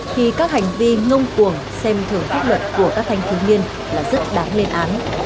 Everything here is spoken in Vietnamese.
khi các hành vi ngông cuồng xem thường thức luật của các thanh thí nghiên là rất đáng lên án